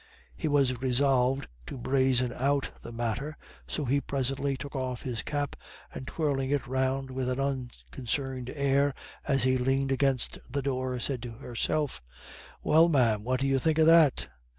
He was resolved to brazen out the matter, so he presently took off his cap, and twirling it round with an unconcerned air as he leaned against the door, said to Herself: "Well, ma'am, what do you think of that?"